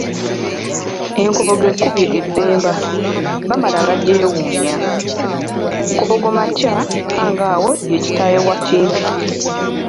Enkobogo ekubye Ebemba, Bamala bagyewuunya. Nkobogo Makya Kangaawo ye kitaawe wa Kimpi.